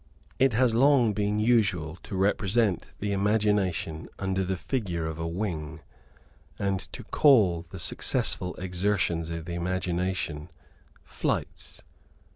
It has long been usual to represent the imagination under the figure of a wing, and to call the successful exertions of the imagination flights.